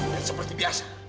dan seperti biasa